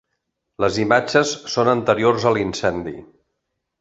Les imatges són anteriors a l'incendi.